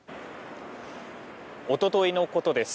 おとといのことです。